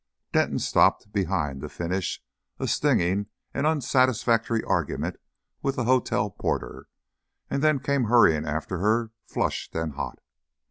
Denton stopped behind to finish a stinging and unsatisfactory argument with the hotel porter, and then came hurrying after her, flushed and hot.